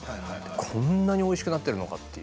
こんなにおいしくなってるのかという。